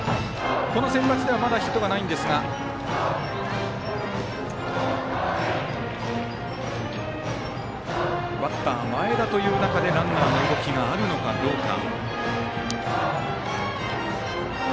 このセンバツではまだヒットはないんですがバッター、前田という中でランナーの動きがあるのかどうか。